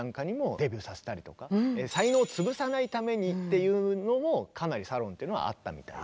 才能を潰さないためにっていうのもかなりサロンっていうのはあったみたいで。